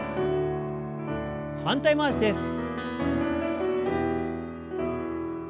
反対回しです。